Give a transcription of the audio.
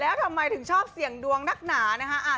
แล้วทำไมถึงชอบเสี่ยงดวงนักหนานะคะ